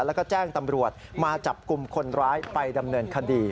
แล้วก็แจ้งตำรวจมาจับกลุ่มคนร้ายไปดำเนินคดี